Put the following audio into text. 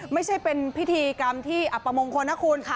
ไม่ใช่เป็นพิธีกรรมที่อับประมงคลนะคุณค่ะ